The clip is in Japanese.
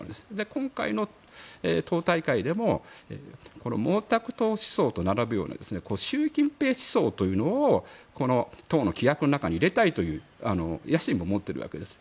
今回の党大会でもこの毛沢東思想と並ぶような習近平思想というのを党の規約の中に入れたいという野心を持っているわけです。